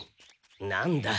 なんだ？